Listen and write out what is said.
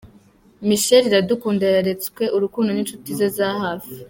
Michelle Iradukunda yeretswe urukundo n'inshuti ze za hafi.